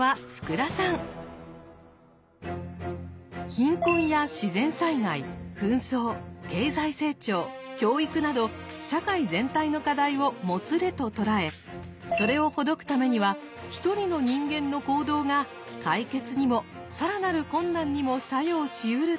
貧困や自然災害紛争経済成長教育など社会全体の課題を「もつれ」と捉えそれをほどくためには一人の人間の行動が解決にも更なる困難にも作用しうると主張。